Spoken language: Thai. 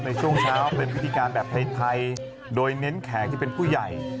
ในช่วงเช้าเป็นพิธีการแบบไทยโดยเน้นแขกที่เป็นผู้ใหญ่